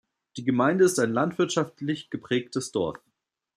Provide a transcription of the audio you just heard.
Die Gemeinde ist ein landwirtschaftlich geprägtes Dorf.